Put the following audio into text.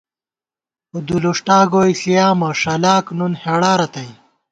اُودُولُوݭٹا گوئی ݪِیامہ ݭَلاک نُن ہېڑا رتئ